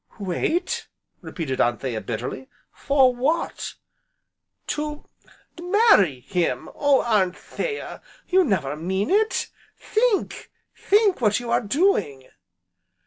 "Wait!" repeated Anthea bitterly, "for what?" "To marry him! O Anthea! you never mean it? Think, think what you are doing."